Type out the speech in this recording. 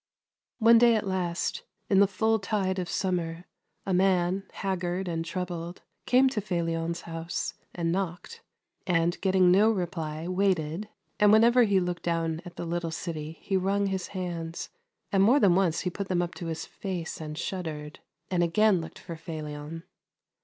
One day at last, in the full tide of summer, a man, haggard and troubled, came to Felion's house, and knocked, and, getting no reply, waited, and whenever he looked down at the little city he wrung his hands, and more than once he put them up to his face and shuddered, and again looked for Felion.